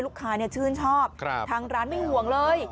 ลูกค้าชื่นชอบทางร้านไม่ห่วงเลย